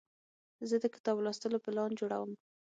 زه د کتاب لوستلو پلان جوړوم.